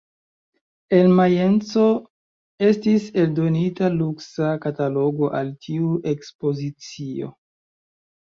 En Majenco estis eldonita luksa katalogo al tiu ekspozicio.